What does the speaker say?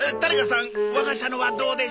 我が社のはどうでしょう？